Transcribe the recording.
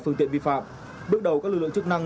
phương tiện vi phạm bước đầu các lực lượng chức năng